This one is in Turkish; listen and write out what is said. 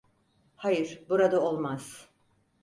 Hayır, burada olmaz.